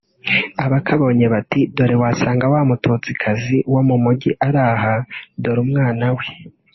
abakabonye bati “dore wasanga wa mututsikazi wo mu mugi ari aha dore umwana we